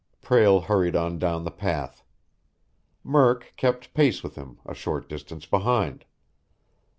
Prale hurried on down the path. Murk kept pace with him, a short distance behind.